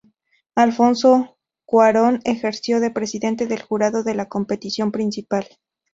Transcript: Alfonso Cuarón ejerció de presidente del Jurado en la competición principal.